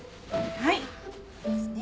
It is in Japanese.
はいそうですね。